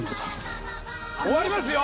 終わりますよ。